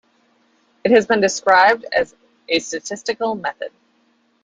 It has been described as a "statistical method".